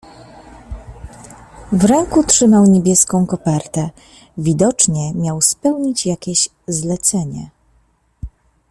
"W ręku trzymał niebieską kopertę, widocznie miał spełnić jakieś zlecenie."